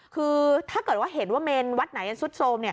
คือถ้าเกิดว่าเห็นว่าเมนวัดไหนซุดโทรม